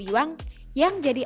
jam berapa ini